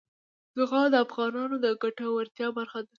زغال د افغانانو د ګټورتیا برخه ده.